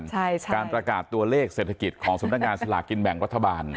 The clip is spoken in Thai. การประกาศตัวเลขเศรษฐกิจของสำนักงานศาลากินแบ่งวัฒนาบาล